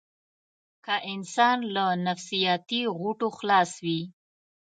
که انسان له نفسياتي غوټو خلاص وي.